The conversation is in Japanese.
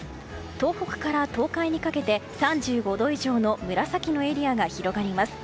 東北から東海にかけて３５度以上の紫のエリアが広がります。